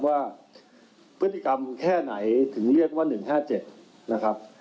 ว่าพฤติกรรมแค่ไหนถึงเรียกว่า๑๕๗นะครับ